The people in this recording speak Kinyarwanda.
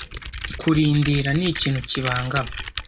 kurindira ni ikintu kibangama